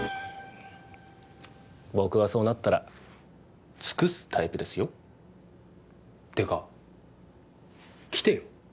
僕はそうなったら尽くすタイプですよてか来てよ